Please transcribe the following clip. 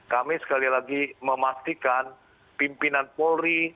kami sekali lagi memastikan pimpinan polri